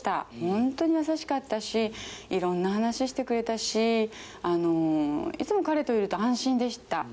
本当に優しかったし、いろんな話してくれたし、いつも彼といると安心でした。